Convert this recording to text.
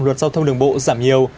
luật giao thông đường bộ giảm nhiều